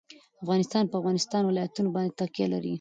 افغانستان په د افغانستان ولايتونه باندې تکیه لري.